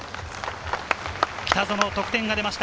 北園の得点が出ました。